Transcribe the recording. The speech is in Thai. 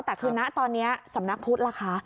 แต่คือณตอนนี้สำนักพุทธล่ะคะ